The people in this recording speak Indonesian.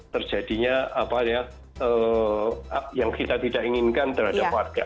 terjadinya apa ya yang kita tidak inginkan terhadap warga